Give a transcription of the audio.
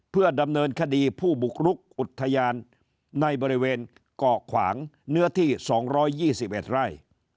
เพื่อดำเนินคดีผู้บุกรุกอุทยานในบริเวณเกาะขวางเนื้อที่๒๒๑ไร่